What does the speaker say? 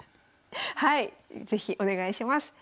はい是非お願いします。